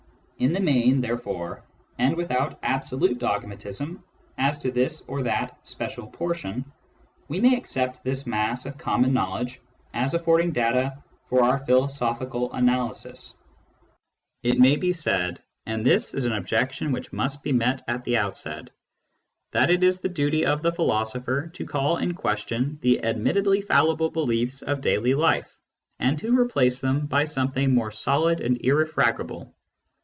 In the main, therefore, and without absolute dogmatism as to this or that special portion, we may accept this mass of common knowledge as affording data for our philosophical analysis. It may be said — and this is an objection which must be met at the outset — that it is the duty of the philosopher to call in question the admittedly fallible beliefs of daily life, and to replace them by something more solid and irrefragable.